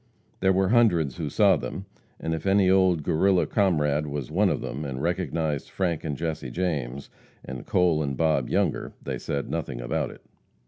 There were hundreds who saw them, and if any old Guerrilla comrade was one of them, and recognized Frank and Jesse James, and Cole and Bob Younger, they said nothing about it.